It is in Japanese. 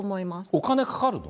お金かかるの？